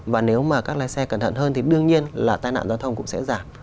và nếu mà các lái xe cẩn thận hơn thì đương nhiên là tai nạn giao thông cũng sẽ giảm